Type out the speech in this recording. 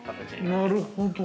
◆なるほど。